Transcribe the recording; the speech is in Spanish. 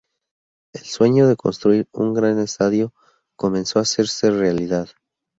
El sueño de construir un gran estadio comenzó a hacerse realidad.